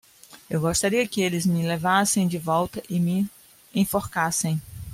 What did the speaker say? Eu gostaria que eles me levassem de volta e me enforcassem.